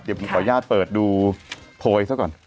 เดี๋ยวผมขออนุญาตเปิดดูโพยซะก่อน